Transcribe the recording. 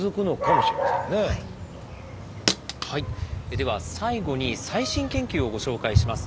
では最後に最新研究をご紹介します。